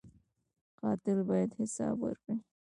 قاتل باید حساب ورکړي